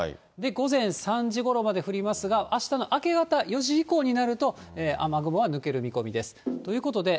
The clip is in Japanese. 午前３時ごろまで降りますが、あしたの明け方４時以降になると、雨雲は抜ける見込みです。ということで、